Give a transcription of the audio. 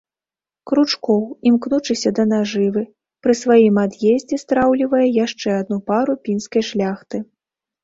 Кручкоў, імкнучыся да нажывы, пры сваім ад'ездзе страўлівае яшчэ адну пару пінскай шляхты.